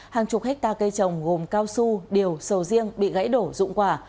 hàng chục hectare cây trồng gồm cao su điều sầu riêng bị gãy đổ dụng quả